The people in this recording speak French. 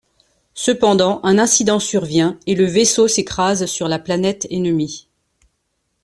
Cependant un incident survient et le vaisseau s'écrase sur la planète ennemie.